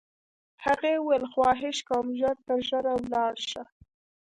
هغې وویل: خواهش کوم، ژر تر ژره ولاړ شه.